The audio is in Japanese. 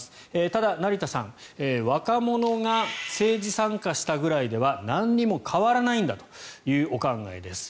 ただ、成田さん若者が政治参加したくらいではなんにも変わらないんだというお考えです。